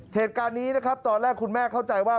เหตุการณ์นี้นะครับตอนแรกคุณแม่เข้าใจว่า